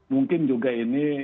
mungkin juga ini